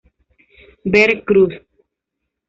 Ver cruz.